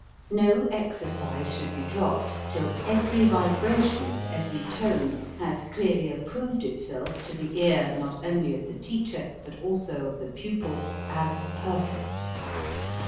No exercise should be dropped till every vibration of every tone has clearly approved itself to the ear, not only of the teacher, but also of the pupil, as perfect.